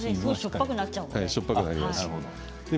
しょっぱくなりますからね。